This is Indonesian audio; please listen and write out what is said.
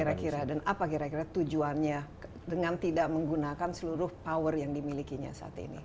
kira kira dan apa kira kira tujuannya dengan tidak menggunakan seluruh power yang dimilikinya saat ini